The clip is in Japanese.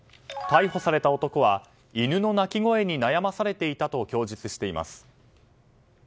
逮捕された男は犬の鳴き声に悩まされていたと供述しています。